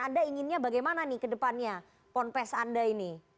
anda inginnya bagaimana nih kedepannya ponpes anda ini